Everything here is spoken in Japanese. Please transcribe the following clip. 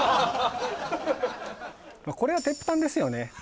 これは鉄板ですよね